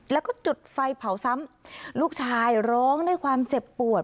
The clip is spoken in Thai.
แล้วก็จุดไฟเผาซ้ำลูกชายร้องด้วยความเจ็บปวด